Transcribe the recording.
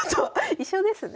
一緒ですね。